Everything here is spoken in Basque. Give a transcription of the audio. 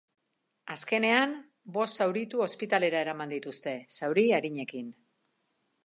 Azkenean, bost zauritu ospitalera eraman dituzte, zauri arinekin.